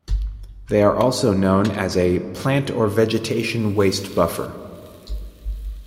These are also known as a "Plant or Vegetation Waste Buffer".